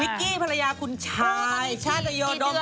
วิกกี้ภรรยาคุณชายช่ายตะโยดดม๔ครับ